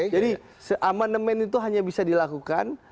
jadi amandemen itu hanya bisa dilakukan